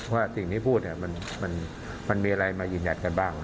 ว่าสิ่งที่พูดมันมีอะไรมายืนยันกันบ้าง